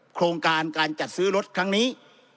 โครงการการจัดซื้อรถครั้งนี้